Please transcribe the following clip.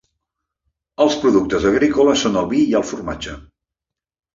Els productes agrícoles són el vi i el formatge.